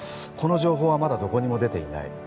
この情報はまだどこにも出ていない。